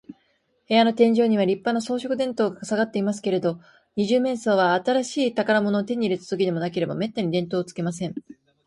部屋の天井には、りっぱな装飾電燈がさがっていますけれど、二十面相は、新しい宝物を手に入れたときででもなければ、めったに電燈をつけません。